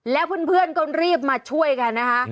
แล้วเพื่อนก็รีบมาช่วยกันนะคะ